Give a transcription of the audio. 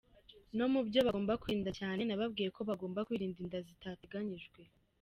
No mu byo bagomba kwirinda cyane nababwiye ko bagomba kwirinda inda zitateganyijwe.